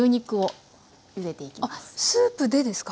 あっスープでですか？